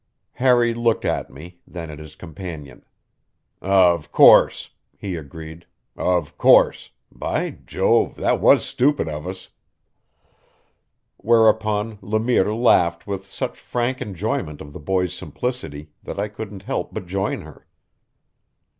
Harry looked at me, then at his companion. "Of course," he agreed "of course. By Jove! that was stupid of us." Whereupon Le Mire laughed with such frank enjoyment of the boy's simplicity that I couldn't help but join her.